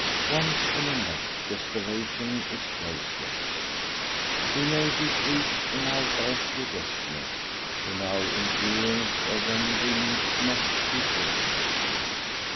Once in a net, desperation is graceless. We may be brutes in our earthly destinies: in our endurance of them we need not be brutish.